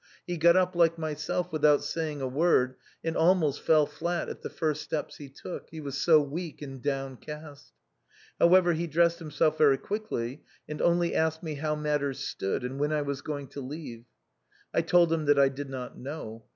He got up, like myself, without saying a word and almost fell flat at the first steps he took, he was so weak and downcast. How ever, he dressed himself very quickly, and only asked me how matters stood and when I was going to leave. I told him that I did not know.